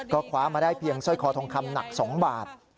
ก็คว้ามาได้เพียงสร้อยคอทองคำหนัก๒บาท